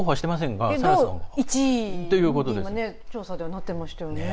けど、１位と、調査ではなっていましたよね。